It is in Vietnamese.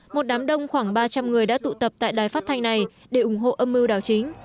một đám đông khoảng ba trăm linh người đã tụ tập tại đài phát thanh này để ủng hộ âm mưu đảo chính